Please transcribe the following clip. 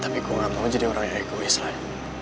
tapi gue gak mau jadi orang yang egois lah